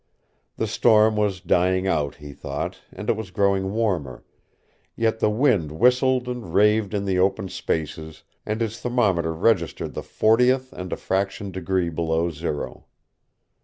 The storm was dying out, he thought, and it was growing warmer; yet the wind whistled and raved in the open spaces and his thermometer registered the fortieth and a fraction degree below zero.